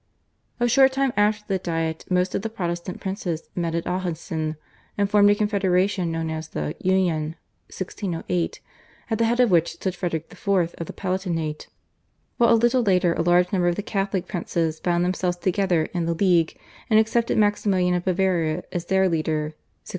A short time after the Diet most of the Protestant princes met at Ahausen and formed a confederation known as the /Union/ (1608) at the head of which stood Frederick IV. of the Palatinate, while a little later a large number of the Catholic princes bound themselves together in the /League/ and accepted Maximilian of Bavaria as their leader (1609).